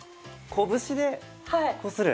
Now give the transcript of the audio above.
拳でこする。